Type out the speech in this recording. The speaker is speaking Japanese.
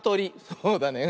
そうだね。